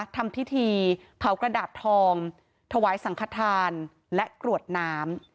ทำพิธีเผากระดาษทองถวายสังขทานและกรวดน้ำ